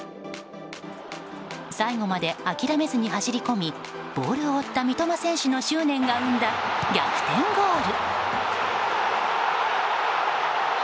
最後まで諦めずに走り込みボールを追った三笘選手の執念が生んだ逆転ゴール。